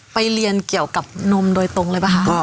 เรียนเกี่ยวกับนมโดยตรงเลยป่ะคะ